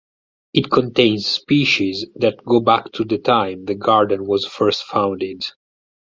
It contains species that go back to the time the Garden was first founded.